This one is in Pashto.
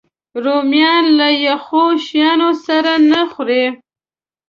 رومیان له یخو شیانو سره نه خوري